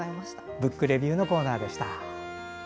「ブックレビュー」のコーナーでした。